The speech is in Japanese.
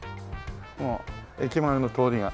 もう駅前の通りが。